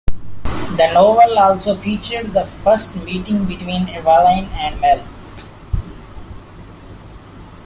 The novel also featured the first meeting between Evelyn and Mel.